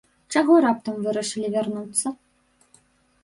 Чаго раптам вырашылі вярнуцца?